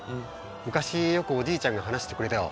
昔よくおじいちゃんが話してくれたよ。